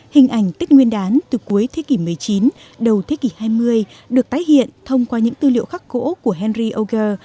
hình ảnh tích nguyên đán từ cuối thế kỷ một mươi chín đầu thế kỷ hai mươi được tái hiện thông qua những tư liệu khắc cỗ của henry auger